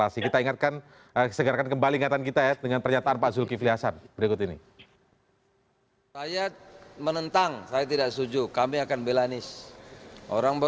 sampai dengan hari ini sama sekali belum ada